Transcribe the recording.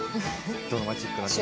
ドラマチックな展開。